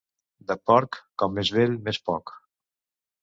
De porc, com més vell, més poc.